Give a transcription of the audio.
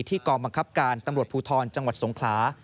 กองบังคับการตำรวจภูทรจังหวัดสงขลา